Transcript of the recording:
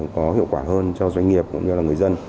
có hiệu quả hơn cho doanh nghiệp cũng như là người dân